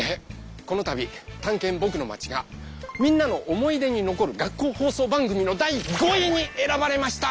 このたび「たんけんぼくのまち」がみんなの思い出に残る学校放送番組の第５位にえらばれました！